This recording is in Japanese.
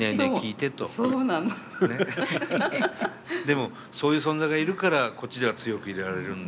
でもそういう存在がいるからこっちでは強くいられる。